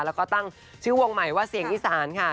แล้วก็ตั้งชื่อวงใหม่ว่าเสียงอีสานค่ะ